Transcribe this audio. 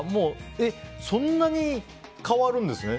そんなに変わるんですね。